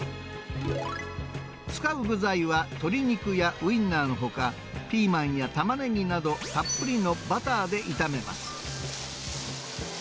使う具材は鶏肉やウインナーのほか、ピーマンやたまねぎなどたっぷりのバターで炒めます。